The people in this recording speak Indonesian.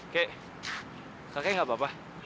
ke kakek nggak apa apa